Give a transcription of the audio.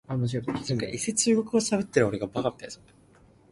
冇嚟成年喇